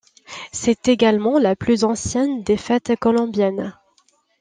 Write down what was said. C'est également la plus ancienne des fêtes colombiennes.